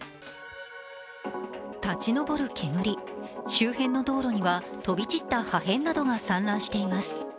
立ち上る煙、周辺の道路には飛び散った破片などが散乱しています。